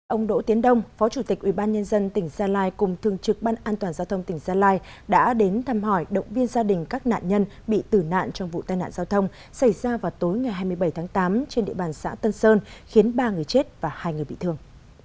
ông đỗ tiến đông phó chủ tịch ubnd tỉnh gia lai cùng thường trực ban an toàn giao thông tỉnh gia lai đã đến thăm hỏi động viên gia đình các nạn nhân bị tử nạn trong vụ tai nạn giao thông xảy ra vào tối ngày hai mươi bảy tháng tám trên địa bàn xã tân sơn khiến ba người chết và hai người bị thương